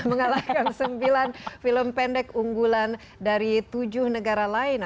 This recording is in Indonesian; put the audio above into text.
mengalahkan sembilan film pendek unggulan dari tujuh negara lain